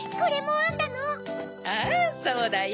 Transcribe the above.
ああそうだよ。